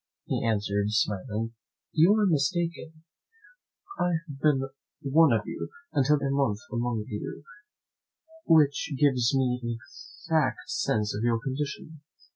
He answered, smiling, "You are mistaken; I have been one of you, and lived a month amongst you, which gives me an exact sense of your condition.